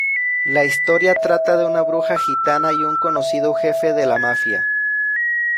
La historia trata de una bruja gitana y un conocido jefe de la mafia.